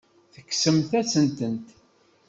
Tekksemt-asen-tent.